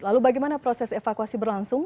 lalu bagaimana proses evakuasi berlangsung